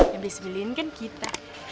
yang beli sebelihin kan kita